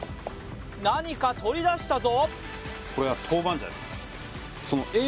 何か取り出したぞ。